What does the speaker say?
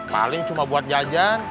paling cuma buat jajan